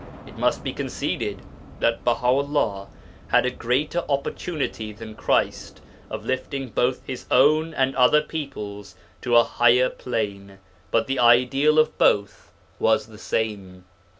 It must be conceded that Baha 'ullah had a greater opportunity than Christ of lifting both His own and other peoples to a higher plane, but the ideal of both was the same.